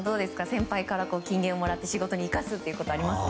先輩から金言をもらって仕事に生かすことはありますか？